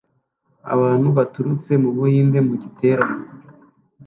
abantu baturutse mu Buhinde mu giterane